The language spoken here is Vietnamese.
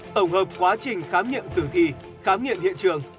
tổng hợp quá trình khám nghiệm tử thi khám nghiệm hiện trường